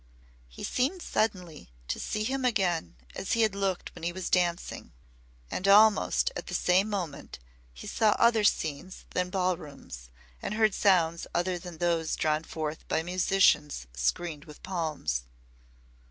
He seemed suddenly to see him again as he had looked when he was dancing. And almost at the same moment he saw other scenes than ball rooms and heard sounds other than those drawn forth by musicians screened with palms.